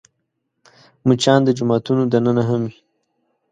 مچان د جوماتونو دننه هم وي